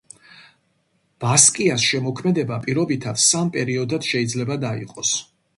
ბასკიას შემოქმედება პირობითად სამ პერიოდად შეიძლება დაიყოს.